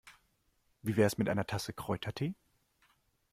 Wie wär's mit einer Tasse Kräutertee?